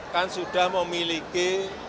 kan sudah memiliki